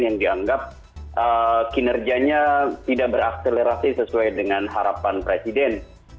yang dianggap kinerjanya tidak berakselerasi sesuai dengan harapan presiden